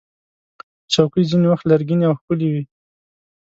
چوکۍ ځینې وخت لرګینې او ښکلې وي.